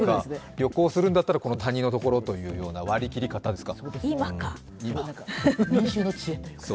旅行するんだったら、この谷のところという割り切り方ですか。